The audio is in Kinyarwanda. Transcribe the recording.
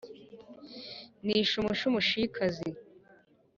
nishe umushi umushikazi